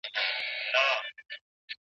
د رحیم تندی د پلار په څېر تریو و.